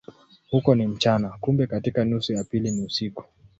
Huko ni mchana, kumbe katika nusu ya pili ni usiku.